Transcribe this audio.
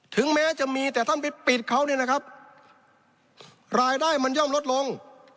ถึงแม้จะมีแต่ท่านไปปิดเขาเนี่ยนะครับรายได้มันย่อมลดลง